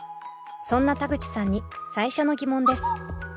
そんな田口さんに最初のギモンです。